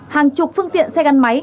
hàng chục phương tiện xe gắn máy